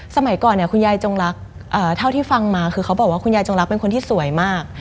สมัยก่อนเนี่ยคุณยายจงรักเท่าที่ฟังมาคือเขาบอกว่าคุณยายจงรักเป็นคนที่สวยมาก